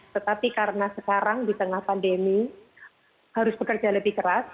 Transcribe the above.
tetapi karena sekarang di tengah pandemi harus bekerja lebih keras